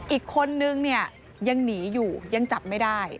อีกคนนึงเนี่ยยังหนีอยู่ยังจับไม่ได้